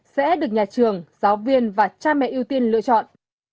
sẽ được nhà trường giáo viên và cha mẹ ưu tiên lựa chọn